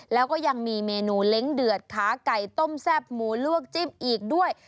แล้วก็ยังมีเมนูเล้งเดือดขาไก่ต้มแซ่บหมูลวกจิ้มอีกด้วย